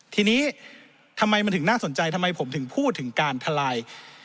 ทีนี้ทำไมมันถึงน่าสนใจทำไมผมถึงพูดถึงการทลาย